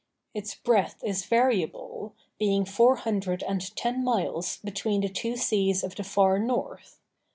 Its breadth is variable, being four hundred and ten miles between the two seas of the far north.